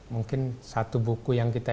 mungkin satu buku yang kita